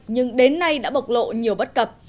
nhưng đến nay đã bộc lộ nhiều bất cập